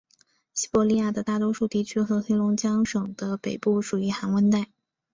西伯利亚的大多数地区和黑龙江省的北部属于寒温带。